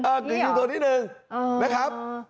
เออขอยืมโทรนิดนึงนะครับ